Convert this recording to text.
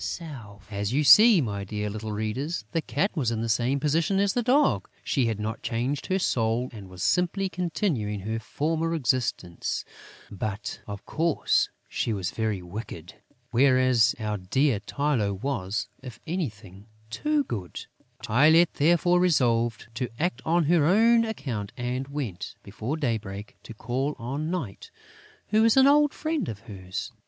[Illustration: The road to the Palace of Night was rather long and rather dangerous] As you see, my dear little readers, the Cat was in the same position as the Dog: she had not changed her soul and was simply continuing her former existence; but, of course, she was very wicked, whereas our dear Tylô was, if anything, too good. Tylette, therefore, resolved to act on her own account and went, before daybreak, to call on Night, who was an old friend of hers.